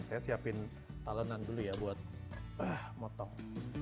saya siapin talenan dulu ya buat motong